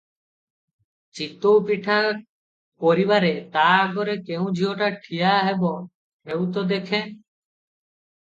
ଚିତଉପିଠା କରିବାରେ ତା ଆଗରେ କେଉଁ ଝିଅଟା ଠିଆ ହେବ ହେଉ ତ ଦେଖେଁ ।